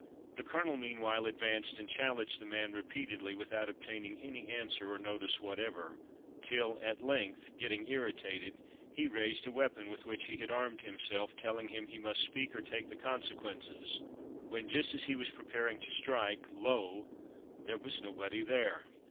The colonel, meantime, advanced and challenged the man, repeatedly, without obtaining any answer or notice whatever, till, at length, getting irritated, he raised a weapon with which he had armed himself, telling him he "must speak or take the consequences," when, just as he was preparing to strike, lo! there was nobody there!